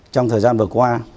trong thời gian vừa qua